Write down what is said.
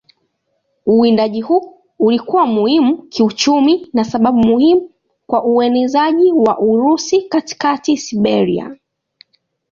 Uwindaji huu ulikuwa muhimu kiuchumi na sababu muhimu kwa uenezaji wa Urusi katika Siberia.